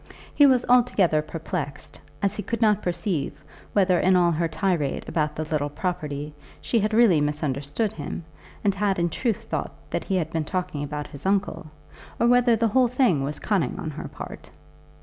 He was altogether perplexed, as he could not perceive whether in all her tirade about the little property she had really misunderstood him, and had in truth thought that he had been talking about his uncle, or whether the whole thing was cunning on her part.